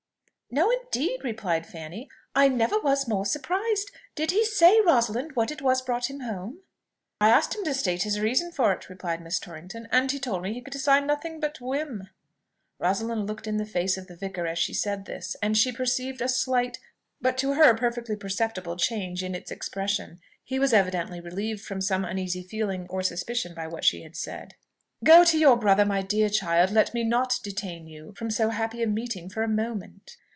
"No indeed!" replied Fanny: "I never was more surprised. Did he say, Rosalind, what it was brought him home?" "I asked him to state his reason for it," replied Miss Torrington, "and he told me he could assign nothing but whim." Rosalind looked in the face of the vicar as she said this, and she perceived a slight, but to her perfectly perceptible, change in its expression. He was evidently relieved from some uneasy feeling or suspicion by what she had said. "Go to your brother, my dear child; let me not detain you from so happy a meeting for a moment."